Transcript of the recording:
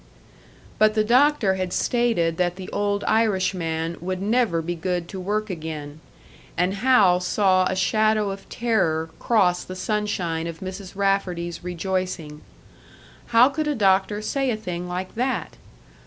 But the doctor had stated that the old Irishman would never be good to work again; and Hal saw a shadow of terror cross the sunshine of Mrs. Rafferty's rejoicing. How could a doctor say a thing like that?